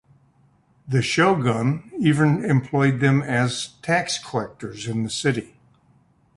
The shogun even employed them as tax collectors in the city.